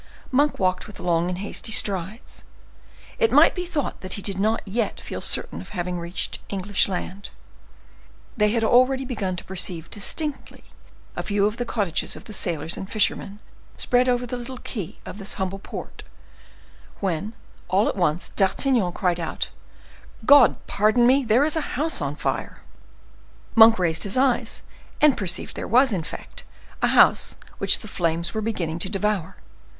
Monk walked with long and hasty strides; it might be thought that he did not yet feel certain of having reached English land. They had already begun to perceive distinctly a few of the cottages of the sailors and fishermen spread over the little quay of this humble port, when, all at once, D'Artagnan cried out,—"God pardon me, there is a house on fire!" Monk raised his eyes, and perceived there was, in fact, a house which the flames were beginning to devour.